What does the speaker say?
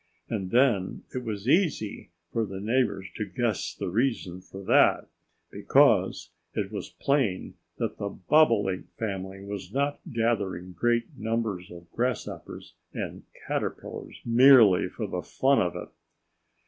And then it was easy for the neighbors to guess the reason for that, because it was plain that the Bobolink family was not gathering great numbers of grasshoppers and caterpillars merely for the fun of it.